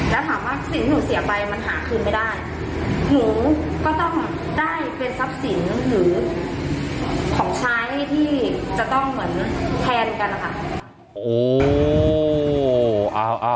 แล้วถามว่าสิ่งที่หนูเสียไปมันหาคืนไม่ได้หนูก็ต้องได้เป็นทรัพย์สินหรือของใช้ที่จะต้องเหมือนแทนกันนะคะ